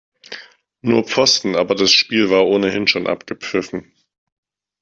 Nur Pfosten, aber das Spiel war ohnehin schon abgepfiffen.